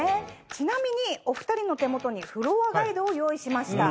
ちなみにお２人の手元にフロアガイドを用意しました。